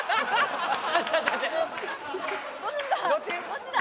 どっちだ？